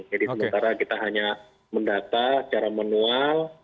jadi sementara kita hanya mendata secara manual